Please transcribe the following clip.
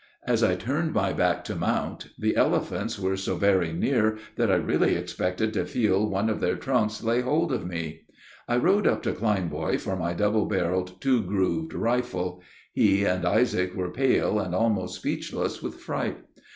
As I turned my back to mount, the elephants were so very near that I really expected to feel one of their trunks lay hold of me. I rode up to Kleinboy for my double barreled two grooved rifle: he and Isaac were pale and almost speechless with fright.